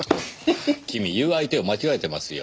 君言う相手を間違えてますよ。